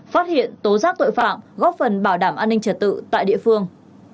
phát hiện tố giác tội phạm góp phần bảo đảm an ninh trật tự tại địa phương